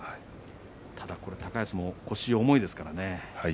ただ高安は腰が重いですからね。